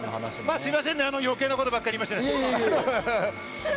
すみません、余計なことばっかり言いまして。